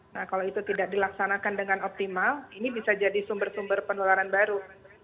nah kalau itu tidak dilaksanakan dengan optimal ini bisa jadi sumber sumber penularan baru